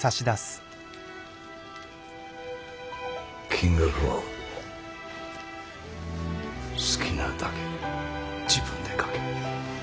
金額は好きなだけ自分で書け。